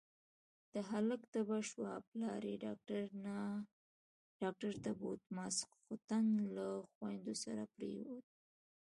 د هلک تبه شوه، پلار يې ډاکټر ته بوت، ماسختن له خويندو سره پرېووت.